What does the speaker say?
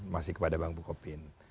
masih kepada bank bukopin